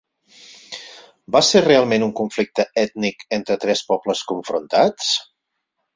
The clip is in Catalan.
Va ser realment un conflicte ètnic entre tres pobles confrontats?